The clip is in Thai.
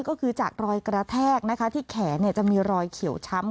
ก็คือจากรอยกระแทกนะคะที่แขนจะมีรอยเขียวช้ำ